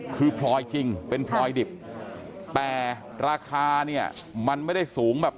คือพลอยจริงเป็นพลอยดิบแต่ราคาเนี่ยมันไม่ได้สูงแบบ